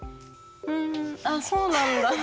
ふんあっそうなんだ。